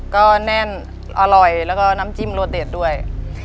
ก็แน่นอร่อยแล้วก็น้ำจิ้มรสเด็ดด้วย